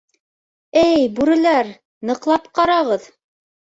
— Эй, бүреләр, ныҡлап ҡарағыҙ.